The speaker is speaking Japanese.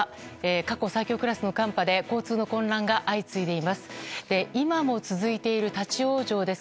過去最強クラスの寒波で交通の混乱が相次いでいます。